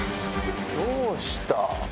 どうした？